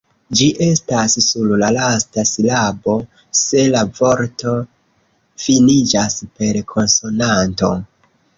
Ĝi estas sur la lasta silabo, se la vorto finiĝas per konsonanto.